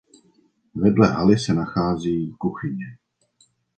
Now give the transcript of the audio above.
Vedle haly se nachází kuchyně.